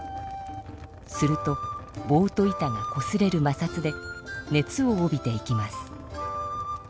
するとぼうと板がこすれるまさつで熱を帯びていきます。